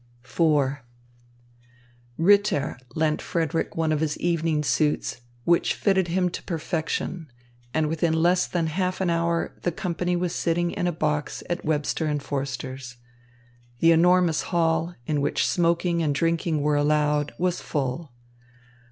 IV Ritter lent Frederick one of his evening suits, which fitted him to perfection, and within less than half an hour the company was sitting in a box at Webster and Forster's. The enormous hall, in which smoking and drinking were allowed, was full.